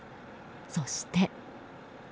そして。